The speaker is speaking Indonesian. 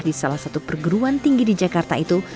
di salah satu perguruan tinggi di jakarta itu